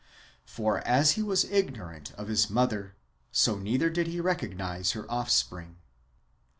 For, as he was ignorant of his mother, so neither did he recognise her offspring.